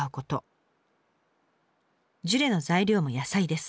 ジュレの材料も野菜です。